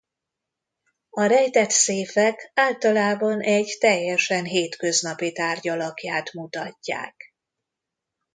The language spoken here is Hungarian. A rejtett széfek általában egy teljesen hétköznapi tárgy alakját mutatják.